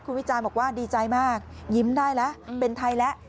คุณวิจารณ์บอกว่าดีใจมากยิ้มได้แล้วเป็นไทยแล้ว